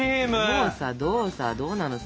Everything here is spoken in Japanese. どうさどうさどうなのさ。